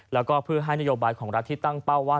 และก็ผลให้นโยบายรัฐของรัฐที่ตั้งเป้าว่า